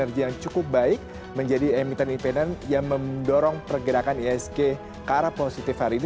energi yang cukup baik menjadi emiten independent yang mendorong pergerakan isg ke arah positif hari ini